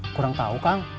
kurang tahu kang